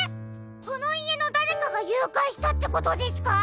このいえのだれかがゆうかいしたってことですか？